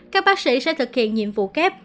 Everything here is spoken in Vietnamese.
các bác sĩ sẽ thực hiện nhiệm vụ kép